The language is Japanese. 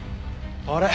あれ？